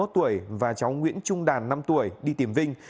ba mươi một tuổi và cháu nguyễn trung đàn năm tuổi đi tìm vinh